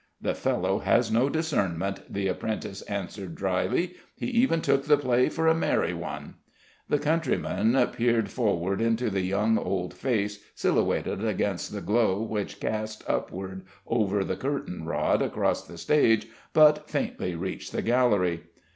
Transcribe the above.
"The fellow has no discernment," the apprentice answered dryly. "He even took the play for a merry one." The countryman peered forward into the young old face silhouetted against the glow which, cast upward and over the curtain rod across the stage, but faintly reached the gallery.